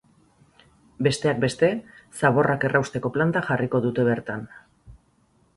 Besteak beste, zaborrak errausteko planta jarriko dute bertan.